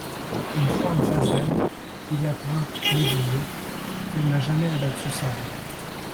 Une fois en face d'elle, il apprend médusé qu'elle n'a jamais abattu Sara.